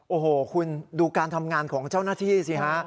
โอ้โหคุณดูการทำงานของเจ้าหน้าที่สิฮะ